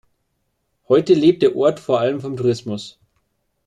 Heute lebt der Ort vor allem vom Tourismus.